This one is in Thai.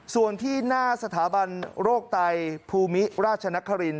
ส่วนที่หน้าสถาบันโรคไตภูมิราชนคริน